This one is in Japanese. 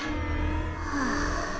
はあ。